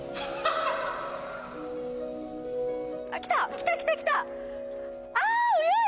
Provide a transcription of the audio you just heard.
来た来た来た来た。